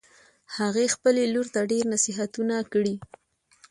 هغې خپلې لور ته ډېر نصیحتونه کړي